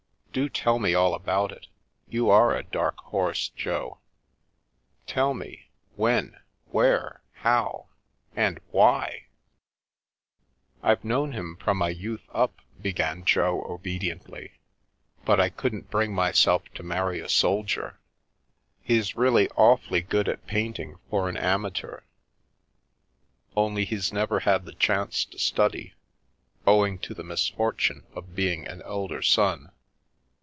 " Do tell me all about it ; you are a dark horse, Jo I Tell me — when, where, how — and why ?"" I've known him from my youth up," began Jo obediently, " but I couldn't bring myself to marry a sol dier. He's really awfully good at painting for an amateur, only he's never had the chance to study, owing to the misfortune of being an elder son.